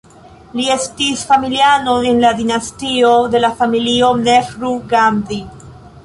Li estis familiano en la dinastio de la Familio Nehru-Gandhi.